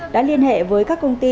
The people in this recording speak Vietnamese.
đã liên hệ với các công ty